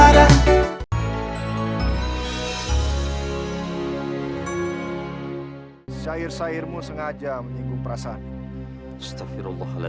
rasa ini tiba tiba ada